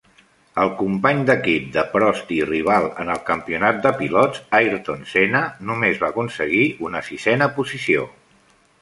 El company d'equip de Prost i rival en el Campionat de Pilots, Ayrton Senna, només va aconseguir una sisena posició.